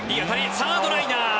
サードライナー。